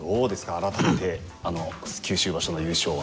改めてあの九州場所の優勝は。